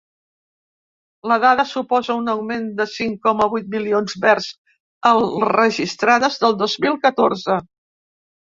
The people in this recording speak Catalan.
La dada suposa un augment de cinc coma vuit milions vers el registrades del dos mil catorze.